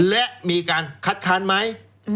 และมีการคัดค้านไหม